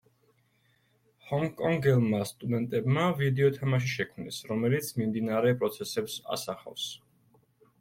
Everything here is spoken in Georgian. ჰონგ-კონგელმა სტუდენტებმა ვიდეოთამაში შექმნეს, რომელიც მიმდინარე პროცესებს ასახავს.